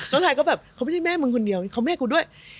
น้องชายก็แบบเค้าไม่ใช่แม่มึงคนเดียวเค้าแม่กูด้วย